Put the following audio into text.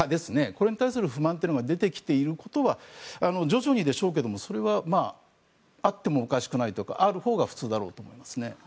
これに対する不満というのが出てきていることは徐々にでしょうがそれはあってもおかしくないというかあるほうが普通だろうと思いますね。